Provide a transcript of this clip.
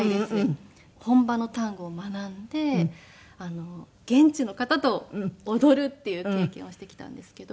本場のタンゴを学んで現地の方と踊るっていう経験をしてきたんですけど。